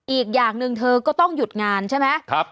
อีกอย่างหนึ่งเธอก็ต้องหยุดงานใช่ไหม